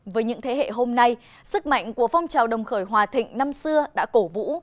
với những thế hệ hôm nay sức mạnh của phong trào đồng khởi hòa thịnh năm xưa đã cổ vũ